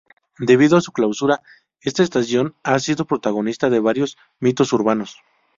Debido a su clausura, esta estación ha sido protagonista de varios mitos urbanos.